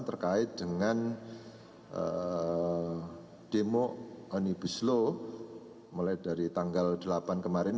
terkait dengan demo omnibus law mulai dari tanggal delapan kemarin